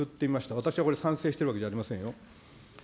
私はこれ、賛成してるわけじゃありませんよ。